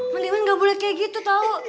mang limang gak boleh kaya gitu tau